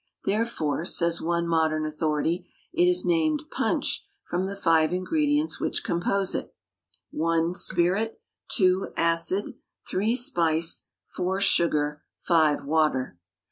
"Therefore," says one modern authority, "it is named punch from the five ingredients which compose it (1) spirit, (2) acid, (3) spice, (4) sugar, (5) water."